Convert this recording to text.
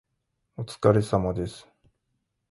お疲れ様です